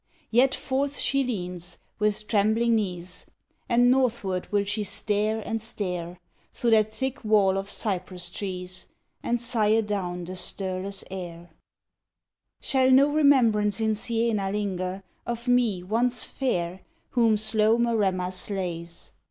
Yet forth she leans, with trembling knees, And northward will she stare and stare Through that thick wall of cypress trees, And sigh adown the stirless air: "Shall no remembrance in Siena linger Of me, once fair, whom slow Maremma slays?